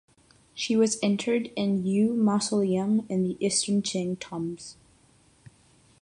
She was interred in Yu mausoleum in the Eastern Qing tombs.